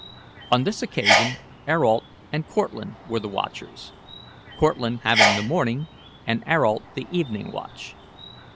On this occasion Ayrault and Cortlandt were the watchers, Cortlandt having the morning and Ayrault the evening watch.